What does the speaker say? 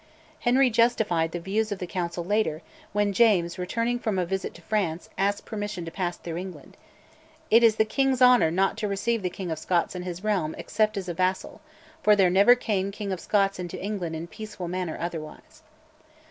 Henry justified the views of the Council, later, when James, returning from a visit to France, asked permission to pass through England. "It is the king's honour not to receive the King of Scots in his realm except as a vassal, for there never came King of Scots into England in peaceful manner otherwise."